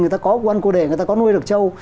người ta có quân cô đề người ta có nuôi được châu